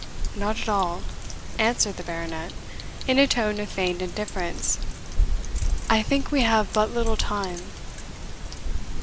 "Not at all," answered the Baronet, in a tone of feigned indifference; "I think we have but little time."